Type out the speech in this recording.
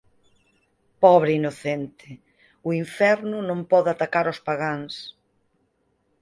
Pobre inocente! –O inferno non pode atacar ós pagáns.